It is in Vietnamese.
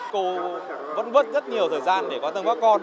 cô vẫn mất rất nhiều thời gian để quan tâm các con